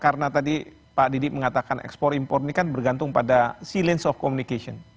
karena tadi pak didik mengatakan ekspor impor ini kan bergantung pada silensi komunikasi